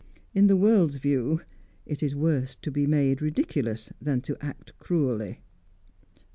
In the world's view, it is worse to be made ridiculous than to act cruelly."